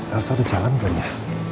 eh elsa ada jalan ke sana